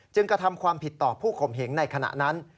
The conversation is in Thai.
กระทำความผิดต่อผู้ข่มเหงในขณะนั้น